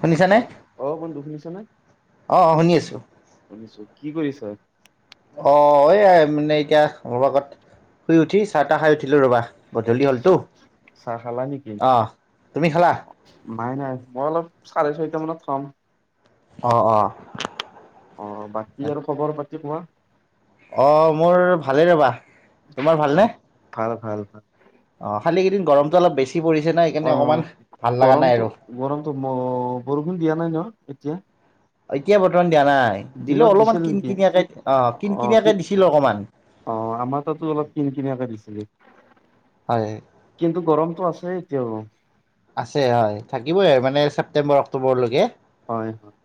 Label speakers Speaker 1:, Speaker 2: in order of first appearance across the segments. Speaker 1: শুনিছানে?
Speaker 2: হেল্ল', অ কোনটো শুনিছ নে,
Speaker 1: অ অ শুনি আছো।
Speaker 2: শুনিছো। কি কৰিছ?
Speaker 1: অ এই মানে এতিয়া অলপ আগত শুই উঠি চাহ তাহ খাই উঠিলো, ৰবা গধূলি হলটো,
Speaker 2: চাহ চাহ খালা নেকি?
Speaker 1: আহ তুমি খালা?
Speaker 2: নাই নাই, মই অলপ চাৰে ছয়টা মানত খাম।
Speaker 1: অ অ।
Speaker 2: অ বাকী আৰু খবৰ পাত তি কোৱা?
Speaker 1: অ মোৰ ভালেই ৰবা, তোমাৰ
Speaker 2: অ
Speaker 1: ভালনে?
Speaker 2: ভাল ভাল।
Speaker 1: অ খালি কেইদিন গৰমটো অলপ বেছি পৰিছে ন সেইকাৰণে
Speaker 2: অ
Speaker 1: অকণমান ভাল লগা নাই
Speaker 2: গৰমটো
Speaker 1: আৰু।
Speaker 2: গৰমতো বৰষুণ দিয়া নাই ন? এতিয়া?
Speaker 1: এতিয়া বৰ্তমান দিয়া নাই, দিলো
Speaker 2: দিনত
Speaker 1: অলপমান
Speaker 2: দিছিল
Speaker 1: কিন
Speaker 2: নেকি?
Speaker 1: কিনিয়াকে, অ কিন কিনিয়াকে দিছিল অকমান।
Speaker 2: অ আমাৰ তাতো অলপ কিন কিনিয়াকে দিছিলে।
Speaker 1: হয়
Speaker 2: কিন্তু গৰম আছে এতিয়াওঁ।
Speaker 1: চেপ্টেম্বৰ অক্টোবৰলৈকে ।
Speaker 2: হয় হয়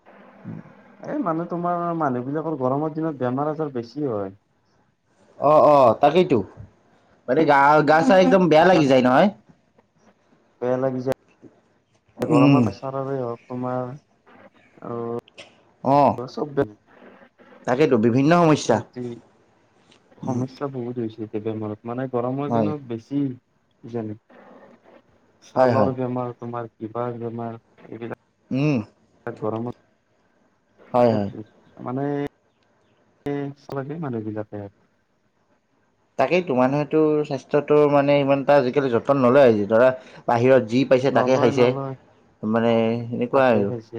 Speaker 2: এই মানে তোমাৰ মানুহ বিলাকৰ গৰমৰ দিনত বেমাৰ আজাৰ বেছি হয়।
Speaker 1: অ অ তাকেইতো, মানে গা গা ছা একদম বেয়া লাগি
Speaker 2: স্বাস্থ্য
Speaker 1: যায় নহয়।
Speaker 2: বেয়া লাগি যায়
Speaker 1: উম
Speaker 2: গৰমৰ প্ৰেছাৰেই হওক। তোমাৰ অ।
Speaker 1: অঁ
Speaker 2: অ চব বেলেগ। উ। [unintelligible]
Speaker 1: তাকেইতো বিভিন্ন সমস্যা।
Speaker 2: কেতিয়া মাৰ। মানে গৰমৰ
Speaker 1: হয়
Speaker 2: দিনত বেছি। জানো।
Speaker 1: হয় হয়
Speaker 2: ছালৰ বেমাৰ তোমাৰ বিবাহ বেমাৰ এইবিলাক।
Speaker 1: উম্।
Speaker 2: গৰমত।
Speaker 1: হয় হয়
Speaker 2: তাকেতো। মানে চালাগে মানুহ বিলাগে আৰু।
Speaker 1: তাকেই তো মানেতো স্বাস্থ্যটোৰ মানে ইমান। আজিকালি যতন নলয় আহিছে ধৰা বাহিৰত যি পাইছে তাকে
Speaker 2: নলয়
Speaker 1: খাইছে
Speaker 2: নলয়
Speaker 1: মানে এনেকুৱাই
Speaker 2: তাকে
Speaker 1: আৰু
Speaker 2: খাইছে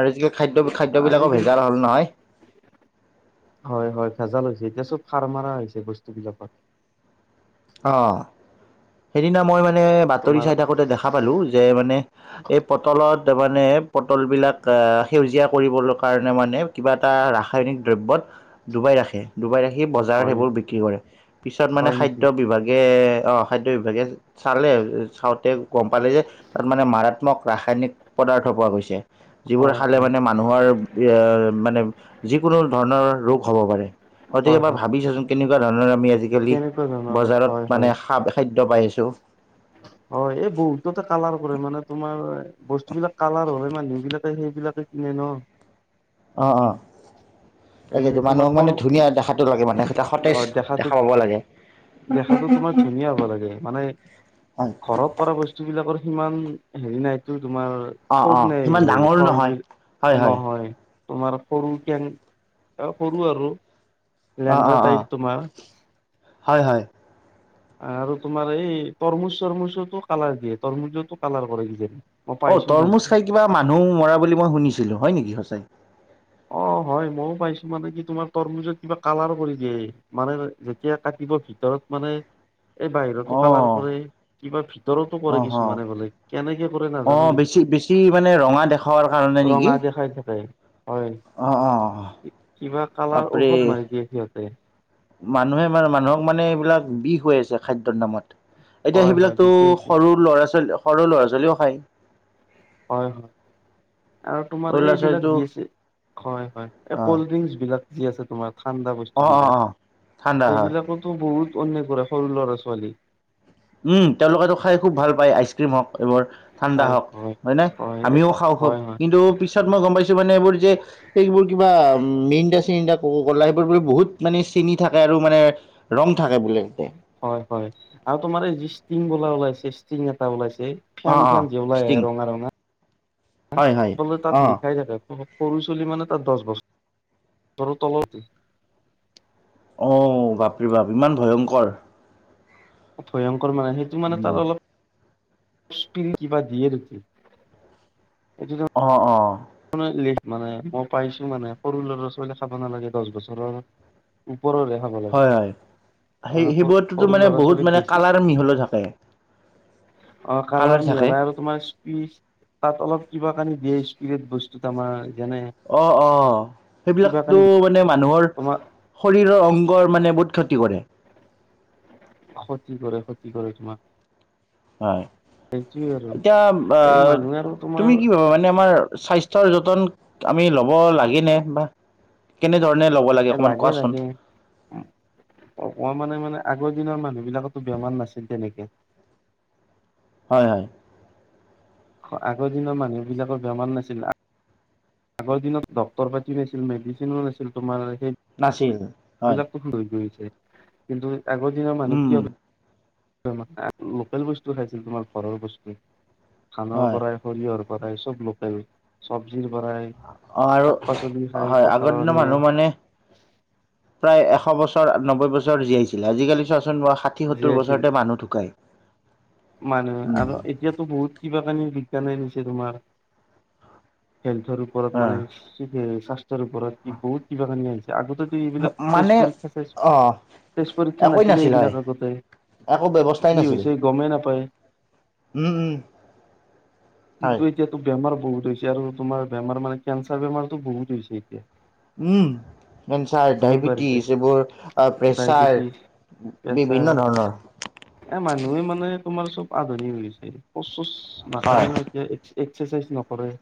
Speaker 1: আৰু আজিকালি খাদ্য খাদ্যবিলাকো
Speaker 2: আজিকালি
Speaker 1: ভেজাল হ'ল নহয় ।
Speaker 2: হয় হয় ভেজাল হৈছে এতিয়া চব সাৰ মাৰ হৈছে বস্তুবিলাকত। [unintelligible]
Speaker 1: অঁ। সেইদিনা মই মানে বাতৰি
Speaker 2: তোমাৰ
Speaker 1: চাই থাকোঁতে দেখা পালোঁ যে মানে এই পটলত মানে। পটলবিলাক সেউজীয়া কৰিবলৈ কাৰণে মানে কিবা এটা ৰাসায়নিক দ্ৰব্যত ডুবাই ৰাখে ডুবাই ৰাখী। সেই বজাৰত
Speaker 2: হয়
Speaker 1: সেইবোৰ বিক্ৰী কৰে পিছত মানে
Speaker 2: হয় নেকি
Speaker 1: খাদ্য। বিভাগে অ খাদ্য বিভাগে চালে চাওঁতে গম পালে যে তাত মানে মাৰাত্মক। ৰাসায়নিক পদাৰ্থ পোৱা গৈছে। যিবোৰ
Speaker 2: হয়
Speaker 1: খালে
Speaker 2: হয়
Speaker 1: মানে মানুহৰ এ। মানে যিকোনো ধৰণৰ ৰোগ হ'ব পাৰে। তহঁতি
Speaker 2: হয়
Speaker 1: এবাৰ
Speaker 2: হয়
Speaker 1: ভাবিছাচোন কেনেকুৱা। ধন ৰামি।
Speaker 2: কেনেকুৱা কাম [unintelligible]
Speaker 1: বজাৰত মানে খা খাদ্য পাইছোঁ।
Speaker 2: হয় এই বহুতে কালাৰ কৰে মানে তোমাৰ। বস্তু বিলাক কালাৰ হলে মানুহ বিলাকে সেইবিলাকে কিনে ন।
Speaker 1: অ অ।
Speaker 2: এই
Speaker 1: তাকেইতো
Speaker 2: তোমাৰ
Speaker 1: মানুহক মানে
Speaker 2: তৰ
Speaker 1: ধুনীয়া দেখাটো লাগে মানে। এটা সতেজ
Speaker 2: অ দেখাতো
Speaker 1: দেখা পাব লাগে
Speaker 2: দেখাতো তোমাৰ ধুনীয়া হ'ব লাগে মানে
Speaker 1: হয়
Speaker 2: ঘৰত কৰা বস্তু বিলাক। সিমান হেৰি, নাইটো। তোমাৰ
Speaker 1: অ
Speaker 2: থোক
Speaker 1: অ সিমান
Speaker 2: নাই
Speaker 1: ডাঙৰো
Speaker 2: ফল
Speaker 1: নহয়
Speaker 2: বিষ,
Speaker 1: হয় হয়
Speaker 2: নহয়। তোমাৰ সৰু কেং, সৰু আৰু।
Speaker 1: অ অ
Speaker 2: লেংৰা।
Speaker 1: অ
Speaker 2: তোমাৰ।
Speaker 1: হয় হয়
Speaker 2: আৰু তোমাৰ এই তৰমুজ তৰমুজতো কালাৰ দিয়ে তৰমুজো কালাৰ কৰে কিজান।
Speaker 1: অ তৰমুজ খাই কিবা মানুহ মৰা বুলি মই শুনিছিলো হয় নেকি সঁচাই।
Speaker 2: অ হয় ময়ো পাইছো মানে কি তোমাৰ তৰমিজত কিবা কালাৰ কৰি দিয়ে মানে যেতিয়া কাটিব ভিতৰত মানে। এই বাহিৰতো
Speaker 1: অ
Speaker 2: কালাৰ কৰে। কিবা। ভিতো
Speaker 1: অ
Speaker 2: কৰে
Speaker 1: হ
Speaker 2: কিছুমানে, কোলে কেনেকে কৰে
Speaker 1: অ
Speaker 2: নাজানো কিন্তু
Speaker 1: বেছি বেছি মানে ৰঙা দেখাৱাৰ কাৰণে নেকি
Speaker 2: ৰঙা দেখাই থাকে। হয়,
Speaker 1: অ অ
Speaker 2: কিবা কালাৰ
Speaker 1: বাপৰে
Speaker 2: ঔষধ মাৰি দিয়ে সিহঁত। [unintelligible]
Speaker 1: মানুহে মানে মানুহক মানে এইবিলাক বিষ হৈ আছে খাদ্যৰ নামত। এতিয়া
Speaker 2: হয় হয়
Speaker 1: সেইবিলাকতো
Speaker 2: বিকেছে
Speaker 1: সৰু ল'ৰা ছোৱালী সৰু ল'ৰা ছোৱালীও খায়।
Speaker 2: হয় হয় আৰু তোমাৰ
Speaker 1: সৰু ল'ৰা ছোৱালীটো
Speaker 2: এইবিলাকি, হয় হয় এই
Speaker 1: অ
Speaker 2: কলড্ৰিংকচ বিলাক। যি আছে তোমাক। ঠাণ্ডা
Speaker 1: অ
Speaker 2: বস্তু
Speaker 1: অ
Speaker 2: বিলাক,
Speaker 1: অ ঠাণ্ডা হয়
Speaker 2: সেইবিলাকতো বহুত। অনে কৰে সৰু ল'ৰা ছোৱালী।
Speaker 1: উম তেওঁলোকেতো খাই খুব ভাল পায় আইচক্ৰীম, হওক এইবাৰ ঠাণ্ডা
Speaker 2: খাই
Speaker 1: হওক। হয় নাই আমিও
Speaker 2: এইটো
Speaker 1: খাওঁ খুব
Speaker 2: হয় হয়
Speaker 1: কিন্তু পিছত মই গম পাইছো মানে এইবোৰ। যে সেইবোৰ কিবা মেইডা চিৰিডা গলা সেইবোৰ বো বহুত মানে চিনি থাকে আৰু মানে। ৰং থাকে বোলে তাতে
Speaker 2: হয় হয় আৰু, তোমাৰ এই য। বল ওাইছে ষ্টিনং এটা ওলাইছে। এই ফেন
Speaker 1: অ',
Speaker 2: ফেন
Speaker 1: অ',
Speaker 2: যিও লাগ
Speaker 1: ষ্টিং
Speaker 2: ৰঙা ৰঙা।
Speaker 1: হয়, হয়।
Speaker 2: আচললে তাত
Speaker 1: অ',
Speaker 2: লিখাই থাকে। সৰু চলি মানে তাত দহ বছৰ, তলতে।
Speaker 1: অ বাপৰি বাপ ইমান ভয়ংকৰ।
Speaker 2: সয়। মানে সেইটো মানে
Speaker 1: উম,
Speaker 2: তাৰ অলপ। পিল ক বা দিয়ে নেকি। এইটো
Speaker 1: অ অ।
Speaker 2: মানে মানে মই পাইছো মানে সৰু লৰা ছোৱালী খাব নালাগে। দহ বছৰৰ ওপৰৰে খাব লাগে।
Speaker 1: হয়, হয় সেই
Speaker 2: তাৰে সৰু
Speaker 1: সেইবোৰতোতো
Speaker 2: সৰু
Speaker 1: মানে
Speaker 2: ল'ৰা
Speaker 1: বহুত
Speaker 2: ছোৱালীক
Speaker 1: মানে
Speaker 2: বেছি
Speaker 1: কালাৰ মিহলি থাকে।
Speaker 2: অ কালাৰ মিহেলাই আৰু তোমাৰ স্পিচ তাত অলপ কিবা কানি দিয়ে বিধ বস্তু তাৰ
Speaker 1: অহ - অহ সেইবিলাকতো
Speaker 2: কানি
Speaker 1: মানে মানুহৰ
Speaker 2: তোমাক
Speaker 1: শৰীৰৰ অংগৰ মানে বহুত ক্ষতি কৰে।
Speaker 2: ক্ষতি কৰে -ক্ষতি কৰে তোমাক।
Speaker 1: হয়,
Speaker 2: সেইটোয়ে আৰু
Speaker 1: এতিয়া
Speaker 2: এই
Speaker 1: বা-হ
Speaker 2: মানুহে আৰু তোমাৰ
Speaker 1: তুমি কি ভাবা মানে আমাৰ স্বাস্থ্যৰ যতন আমি ল'ব লাগেনে? বা কেনে
Speaker 2: এ'লাগে -লাগে অকমানে মানে আগত দিনৰ মানুহ বিলাকৰতো বেমাৰ নাছিল তেনেকে।
Speaker 1: হয়-হয়।
Speaker 2: আগৰ দিনৰ মানুহবিলাকৰ বেমাৰ নাছিল। আগৰ দিনত ডক্টৰৰ পাতি নাছিল, মেডিচিনো নাছিল তোমাৰ সেই
Speaker 1: নাছিল।
Speaker 2: [unintelligible]
Speaker 1: হয়
Speaker 2: [unintelligible] কিন্তু আগৰ দিনৰ মানে
Speaker 1: উম
Speaker 2: কি হল। [unintelligible] লোকেল বস্তু খাইছিল তোমাৰ ঘৰৰ বস্তু। খানাৰ
Speaker 1: হয়
Speaker 2: পৰাই সৰিয়ৰ পৰাই চব লোকেল চব্জিৰ পৰাই
Speaker 1: অহ, আৰু
Speaker 2: শাক পাচলি খাই
Speaker 1: হয়, আগৰ
Speaker 2: পথাৰৰ
Speaker 1: দিনৰ
Speaker 2: নিয়ে
Speaker 1: মানুহ মানে প্ৰায় এশ বছৰ নবৈ বছৰ জীয়াইছিলে আজি-কালি চোৱা [unintelligible] ষাঠি, সত্তৰ
Speaker 2: জীয়াইছিল
Speaker 1: বছৰতে মানুহ ঢুকায় ।
Speaker 2: মানুহে আৰু এতিয়াতো বহুত কিবা - কানি কেনে [unintelligible] নিছে তোমাৰ? হেল্থৰ ওপৰত
Speaker 1: অ
Speaker 2: মানে স্বাস্থ্যৰ ওপৰত বহুত কিবা কানি আহিছে। আগতে তো এইবিলাক তেজ
Speaker 1: মানে
Speaker 2: পৰীক্ষা চেজ
Speaker 1: অ
Speaker 2: [inaudible] তেজ পৰীক্ষা
Speaker 1: একোৱেই
Speaker 2: নাছিলে
Speaker 1: নাছিল হয়
Speaker 2: এইবিলাক আগতে
Speaker 1: একো ব্যৱস্থাই
Speaker 2: কি
Speaker 1: নাছিল
Speaker 2: হৈছে গমে নাপা হয় [inaudible]
Speaker 1: উম উম
Speaker 2: কিন্তু,
Speaker 1: হয়
Speaker 2: এতিয়া তো বেমাৰ বহুত হৈছে আৰু তোমাৰ বেমাৰ মানে, কেঞ্চাৰ বেমাৰতো বহুত হৈছে এতিয়া।
Speaker 1: উম, কেন্ঞ্চাৰ,
Speaker 2: বহুত বাঢ়িছে
Speaker 1: ডায়েবেটিছ এইবোৰ প্ৰেছাৰ
Speaker 2: ডায়বেটিছ প্ৰেছাৰ
Speaker 1: বিভিন্ন
Speaker 2: এ
Speaker 1: ধৰণৰ
Speaker 2: মানুহে মানে তোমাৰ চব আধুনিক ৰীলছ হে পচ চচ
Speaker 1: হয়।
Speaker 2: নাকাৰেনো এতিয়া এক এক্সাৰচাইজ নকৰে।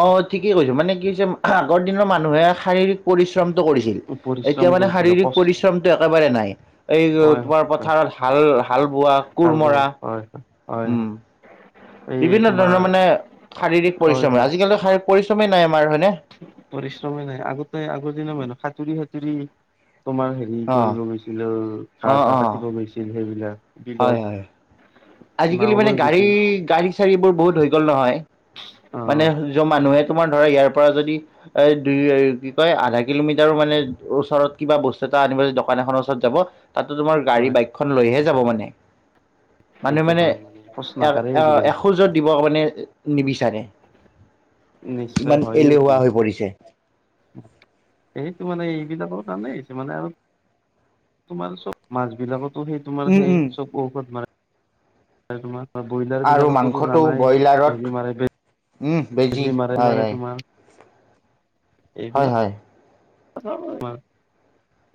Speaker 1: অ' ঠিকে কৈছো মানে কি হৈছে আগৰ দিনৰ মানুহে শাৰীৰিক পৰিশ্ৰ পৰিশ্ৰমটো কৰিছিল
Speaker 2: পৰিশ্ৰম
Speaker 1: এতিয়া মানে
Speaker 2: কৰিছিলে
Speaker 1: শাৰীৰিক
Speaker 2: কষ্ট
Speaker 1: পৰিশ্ৰমটো একেবাৰে নাই, এই
Speaker 2: হয়
Speaker 1: তোমাৰ
Speaker 2: হয়
Speaker 1: পথাৰত হাল -হাল বোৱা,
Speaker 2: ভাল
Speaker 1: কোৰ
Speaker 2: পাই
Speaker 1: মৰা,
Speaker 2: হয় হয় হয়
Speaker 1: উম
Speaker 2: এই
Speaker 1: বিভিন্ন ধৰণৰ
Speaker 2: তোমাৰ
Speaker 1: মানে শাৰীৰিক
Speaker 2: হয়
Speaker 1: পৰিশ্ৰমে
Speaker 2: হয়
Speaker 1: আজিকালি শাৰ পৰিশ্ৰমেই নাই আ-
Speaker 2: পৰিশ্ৰমে নাই আগতে আগৰ দিনা মানুহ সাঁতুৰি সাঁতুৰি তোমাৰ হেৰি সি
Speaker 1: অ
Speaker 2: কৰিব গৈছিলে উৱ
Speaker 1: অ
Speaker 2: ঘাঁ
Speaker 1: অ
Speaker 2: চাহ কাটিব গৈছিল সেইবিলাক
Speaker 1: হয়
Speaker 2: বিলত
Speaker 1: হয়
Speaker 2: নাও
Speaker 1: আজিকালিান
Speaker 2: লৈ
Speaker 1: গাড়ী
Speaker 2: গৈছিল
Speaker 1: গাড়ী চাড়ী বোৰ বহুত হৈ গ'ল ন হয়
Speaker 2: অ
Speaker 1: মানে য মানুহে তোমাৰ ধৰা ইয়াৰ পৰা যদি এ দুই কি কয় আধা কিলোমিটাৰো মানে ওচৰত কিবা বস্তু এটা আনিব য দোকান এখনৰ ওচৰত যাব তাতো তোমাৰ গাড়ী
Speaker 2: হয়
Speaker 1: বাইকখন লৈহে যাব মানে মানুহ
Speaker 2: সেইটো
Speaker 1: মানে
Speaker 2: হয় প্ৰশ্ন
Speaker 1: এ
Speaker 2: আকাৰে
Speaker 1: এ
Speaker 2: আজিকালি
Speaker 1: এসোজত দিব মানে নিবিচাৰে
Speaker 2: নিশ্চয়
Speaker 1: ইমান
Speaker 2: হয়
Speaker 1: এলেহুৱা হৈ পৰিছে
Speaker 2: এইটো মানে এইবিলাকৰ কাৰণে আহিছে মানে আৰু তোমাৰ চব মাছ বিলাকত তমাৰ
Speaker 1: উম
Speaker 2: সেই
Speaker 1: উম
Speaker 2: চব ঔষধ মনে তে তোমাৰ
Speaker 1: আৰু
Speaker 2: ব্ৰইলাৰবিলাকততো
Speaker 1: মাংসটো
Speaker 2: জানাই
Speaker 1: ব্ৰইলাৰত
Speaker 2: হেৰি মাৰে বে
Speaker 1: উম বেজি হয় হয় হয়
Speaker 2: এইবিলাক
Speaker 1: হয়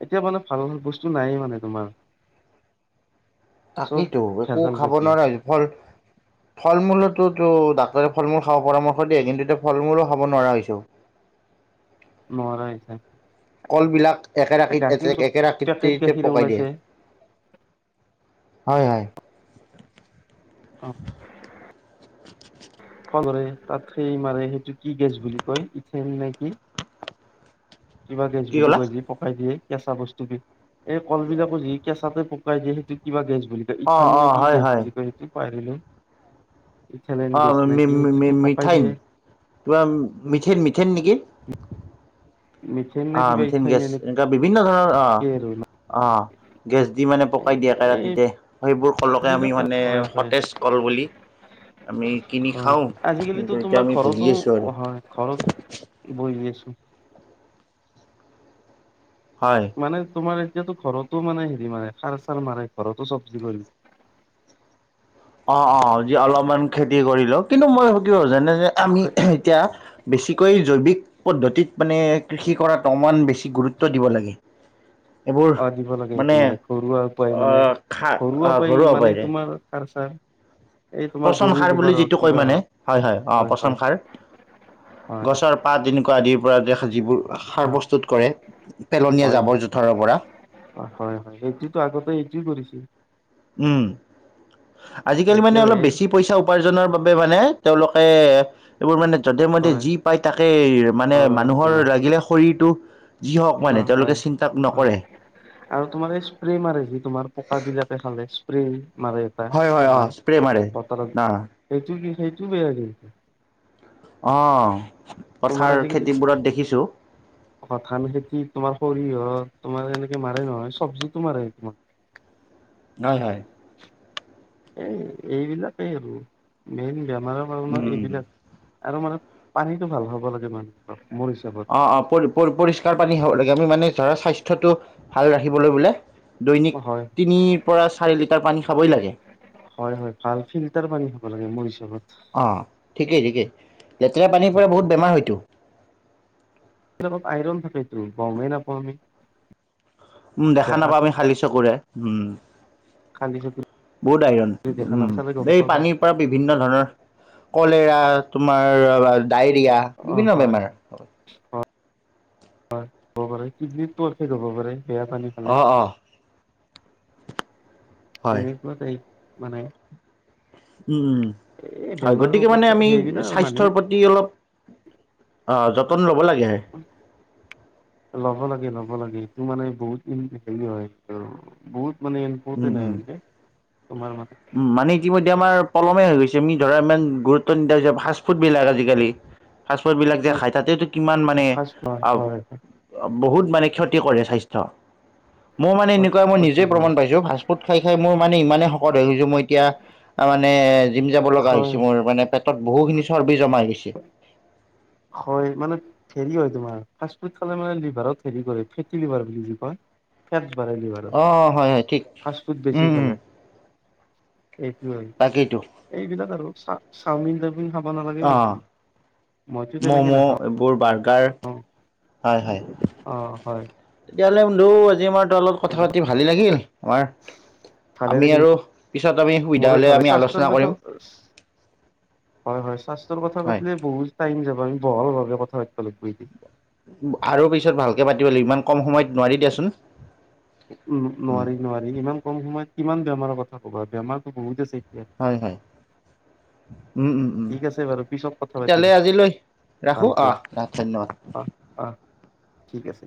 Speaker 2: এতিয়া মানে ভাল ভাল বস্তু নাইয়ে মানে তোমাৰ চব
Speaker 1: তাকেইতো একো
Speaker 2: ভেজাল
Speaker 1: খাব
Speaker 2: জাতীয়
Speaker 1: নোৱাৰাই ফল ফল মূলতোতো ডাক্তৰে ফল মূল খাব পৰামৰ্শ দিয়ে কিন্তু এতিয়া ফল মূলো খাব নোৱাৰা হৈছো
Speaker 2: নোৱাৰা হৈছে
Speaker 1: কল বিলাক একেৰাৰাতীত
Speaker 2: গাখীৰ
Speaker 1: এ
Speaker 2: পেকেট
Speaker 1: একেৰাতীততে
Speaker 2: গাখীৰ
Speaker 1: পকাই দিয়ে
Speaker 2: ওলাইছে
Speaker 1: হয় হয়
Speaker 2: অ
Speaker 1: [unintelligible]
Speaker 2: ফলধৰে তাত সেই মাৰে সেইটো কি গেছ বুলি কয় ইঠেন নে কি কিবা গেছ
Speaker 1: কি
Speaker 2: বুলি
Speaker 1: ক'লা?
Speaker 2: কয় যে পকাই দিয়ে। কেঁচা বস্তু বি এই কল বিলাকো যি কেঁচাতে পক [unintelligible] কিবা গেছ বুলি তে ই থান
Speaker 1: অ',
Speaker 2: নে
Speaker 1: অ',
Speaker 2: কি
Speaker 1: হয়
Speaker 2: গেছ
Speaker 1: হয়।
Speaker 2: বুলি কয় সেইটো পাহৰিলোঁ।
Speaker 1: অ মি
Speaker 2: কি
Speaker 1: মি মি
Speaker 2: সেইটোতো পকাই
Speaker 1: মিঠাইন
Speaker 2: দিয়ে
Speaker 1: পোৰা মিঠেন, মিথেইন নেকি?
Speaker 2: মিথেন
Speaker 1: অ
Speaker 2: নে কিবা
Speaker 1: মিথেন
Speaker 2: ইথাইন
Speaker 1: গেছ।
Speaker 2: এনেকে
Speaker 1: এনেকুৱা বিভিন্ন ধৰণৰ
Speaker 2: আৰু
Speaker 1: অ অ গেছ দি মানে পকাই দিয়াকে ৰাতিতে। সেইবোৰ কলকে আমি
Speaker 2: এইবিলাক
Speaker 1: মানে
Speaker 2: হয় হয়
Speaker 1: সতেজ কল বুলি আমি কিনি
Speaker 2: হয়
Speaker 1: খাওঁ।
Speaker 2: আজিকালিতো
Speaker 1: কিন্তু এতিয়া
Speaker 2: তোমাৰ
Speaker 1: আমি
Speaker 2: ঘৰতো
Speaker 1: ভুগি আছোঁ আৰু।
Speaker 2: হয় ঘৰত বহি আছো
Speaker 1: হয়।
Speaker 2: মানে তোমাৰ এতিয়াতো ঘৰতো মানে হেৰি মাৰে সাৰ চাৰ মাৰে ঘৰতো চব্জি কৰি
Speaker 1: অ অ যি অলপমান খেতি কৰিলো কিন্তু মই [unintelligible] যেনে যে আমি এতিয়া বেছি কৈ জৈৱিক পদ্ধতিত মানে কৃষি কৰাত অমান বেছি গুৰুত্ব দিব লাগে। এইবোৰ
Speaker 2: অ দিব লাগে। এইটো মানে ঘৰুৱা উপায়
Speaker 1: অ
Speaker 2: মানে
Speaker 1: খা
Speaker 2: ঘৰুৱা উপায়,
Speaker 1: ঘৰুৱা
Speaker 2: মানে
Speaker 1: উপায়েৰে
Speaker 2: তোমাৰ সাৰ- চাৰ। এই তোমাৰ
Speaker 1: পচন
Speaker 2: গৰু
Speaker 1: সাৰ বুলি
Speaker 2: গোবাৰ হওক
Speaker 1: যিটো কয়
Speaker 2: কিবা
Speaker 1: মানে।
Speaker 2: হওক
Speaker 1: হয়, হয়। অ পচন সাৰ।
Speaker 2: হয়
Speaker 1: গছৰ পাত এনেকুৱা আদি পৰা দেখা যিবোৰ সাৰ
Speaker 2: হয়
Speaker 1: প্ৰস্তুত কৰে। পেলনীয়া
Speaker 2: হয় হয়
Speaker 1: জাবৰ জোথৰৰ পৰা।
Speaker 2: হয় হয় হয় এইটোতো আগতে এইটোৱে কৰিছিল
Speaker 1: উম, আজিকালি মানে
Speaker 2: এতিয়া
Speaker 1: অলপ
Speaker 2: এই
Speaker 1: বেছি পইচা উপাৰ্জনৰ বাবে মানে তেওঁলোক এ এইবোৰ মানে যধে মধে
Speaker 2: হয়
Speaker 1: যি পায় তাকে মানে
Speaker 2: হয়
Speaker 1: মানুহৰ
Speaker 2: তোমাৰ
Speaker 1: লাগিলে শৰীৰটো যি হওক
Speaker 2: অ
Speaker 1: মানে তেওঁলোকে
Speaker 2: হয়
Speaker 1: চিন্তা
Speaker 2: অ
Speaker 1: নকৰে।
Speaker 2: আৰু তোমাৰ এই স্প্ৰে মাৰে যি তোমাৰ পকা বিলাকে খালে স্প্ৰে মাৰে এটা
Speaker 1: হয় হয় অ।
Speaker 2: তোমাৰ
Speaker 1: স্প্ৰে মাৰে ন
Speaker 2: পতাৰত এইটো কি সেইটো বেয়া হেৰি
Speaker 1: অ।
Speaker 2: তোমাৰ
Speaker 1: পথাৰ
Speaker 2: আজিকালি,
Speaker 1: খেতিবোৰত দেখিছোঁ।
Speaker 2: অ ধান খেতি তোমাৰ সৰিয়হৰ তোমাৰ এনেকে মাৰে নহয়। চবজিটো মাৰে তোমাৰ।
Speaker 1: হয়, হয়।
Speaker 2: এই এইবিলাকে আৰু মেইন বেমাৰৰ কাৰনে
Speaker 1: উম
Speaker 2: এইবিলাক আৰু মানে পানীটো ভাল হ'ব লাগে মানুহ মোৰ হিচাপত
Speaker 1: অ অ পৰি পৰিষ্কাৰ পানী খাব লাগে। আমি মানে ধৰা স্বাস্থ্যটো ভাল ৰাখিবলৈ বোলে। দৈনিক
Speaker 2: হয়
Speaker 1: তিনিৰ পৰা চাৰি লিটাৰ পানী খাবই লাগে।
Speaker 2: হয় হয় ভাল ফিল্টাৰ পানী খাব লাগে মোৰ হিচাপত।
Speaker 1: অ, ঠিকেই ঠিকেই লেতেৰা পানীৰ পৰা বহুত বেমাৰ হয়তো।
Speaker 2: ত আইৰণ থাকেইটো গমেই নাপাওঁ আমি।
Speaker 1: উম, দেখা
Speaker 2: দেখাত
Speaker 1: নাপাওঁ আমি খালি চকুৰে উম
Speaker 2: খালি চকুৰে
Speaker 1: বহুত আইৰণ
Speaker 2: দেখা
Speaker 1: উম
Speaker 2: নাচালে গম
Speaker 1: এই
Speaker 2: পাব পাৰে।
Speaker 1: পানীৰ পৰা বিভিন্ন ধৰণৰ কলেৰা। তোমাৰ। ডায়েৰিয়া
Speaker 2: অ
Speaker 1: বিভিন্ন বেমাৰ।
Speaker 2: হয় হব পাৰে, কিডনীটো এফেক্ট হব পাৰে। বেয়া পানী
Speaker 1: অ
Speaker 2: খালে।
Speaker 1: অ হয়
Speaker 2: তেনেকোৱা টাইপ। মানে?
Speaker 1: উম উম,
Speaker 2: এই
Speaker 1: হয়
Speaker 2: বেমাৰৰ
Speaker 1: গতিকে মানে
Speaker 2: কথা
Speaker 1: আমি
Speaker 2: সেইবিলাক
Speaker 1: স্বাস্থ্যৰ
Speaker 2: মানুহে
Speaker 1: প্ৰতি অলপ আহ যত। টন লব লাগে।
Speaker 2: ল'ব লাগে ল'ব লাগে। টো মানে বহুত ই হেৰি হয় বহুত। মানে
Speaker 1: উম
Speaker 2: ইনপৰ্টেন্ত
Speaker 1: উম
Speaker 2: হয় মানে তোমাৰ মানে।
Speaker 1: উম মানে ইতিমধ্যে আমাৰ পলমে হৈ গৈছে, আমি ধৰা ইমান গুৰুত্ব নিদা হৈছে ফাষ্টফুডবিলাক আজিকালি। ফাষ্টফুডবিলাক যে
Speaker 2: মানে
Speaker 1: খাই তাতেতো কিমান মানে
Speaker 2: ফাৰ্ষ্ট হয় হয়
Speaker 1: বহুত মানে ক্ষতি কৰে স্বাস্থ্য মোৰ মানে এনেকুৱা মই
Speaker 2: ক্ষতি
Speaker 1: নিজে
Speaker 2: কৰে
Speaker 1: প্ৰমাণ পাইছো। ফাষ্ট ফুড খাই খাই মোৰ মানে ইমানে শকত হৈ গৈছো, মই এতিয়া মানে জিম যাব লগা হৈছ
Speaker 2: হয়
Speaker 1: মোৰ মানে। পেটত বহুখিনি চৰ্বি জমাই হৈ গৈছে।
Speaker 2: হয়, মানে হেৰি হয় তোমাৰ ফাৰ্ষ্টফুড খালে মানে লিভাৰত হেৰী কৰে ফেটি লিভাৰ বুলি যে কয় ফেট। বাঢ়ে লিভাৰত
Speaker 1: অ, হয় হয় ঠিক
Speaker 2: ফাষ্ট ফুড
Speaker 1: উম উম।
Speaker 2: এইটো
Speaker 1: তাকেইতো
Speaker 2: এইবিলাক আৰু। চা চাউমিন টা খাব নালাগে
Speaker 1: অঁ
Speaker 2: বেছি। মইতো তেনেকে
Speaker 1: ম'ম'
Speaker 2: নাখাওঁ
Speaker 1: এইবোৰ বৰ্গ। হয় হয়
Speaker 2: অ হয়
Speaker 1: তেতিয়াহলে। আজি আমাৰ। লত কথা
Speaker 2: এইবিলাক
Speaker 1: পাতি ভালেই লাগিল, আমাৰ
Speaker 2: ভালে
Speaker 1: আমি
Speaker 2: লাগিল
Speaker 1: আৰু পিছত আমি সুবিধা
Speaker 2: মোৰো
Speaker 1: হ'লে
Speaker 2: ভালে
Speaker 1: আমি
Speaker 2: স্বাস্থ্যৰ
Speaker 1: আলোচনা
Speaker 2: কথা
Speaker 1: কৰিম।
Speaker 2: হয় হয় স্বাস্থ্যৰ কথা
Speaker 1: হয়
Speaker 2: পাতিলে বহুত টাইম যাব। বহল ভাৱে কথা ৰাখিব লাগিব এটো।
Speaker 1: আৰু পিছত ভালকে পাতিবলো ইমান কম সময়ত নোৱাৰি দিয়াচোন।
Speaker 2: উম নোৱাৰি নোৱাৰি ইমান কম সময়ত কিমান বেমাৰৰ কথা কবা বেমাৰো বহুত আছে। এতিয়া
Speaker 1: হয় হয় উম উম উ
Speaker 2: ঠিক আছে বাৰু পিছত কথা পাতিম
Speaker 1: তেতিয়ালে আজিলৈ ৰাখো
Speaker 2: ভালকে
Speaker 1: আহ আহ ধন্যবাদ!
Speaker 2: অ অ ঠিক আছে।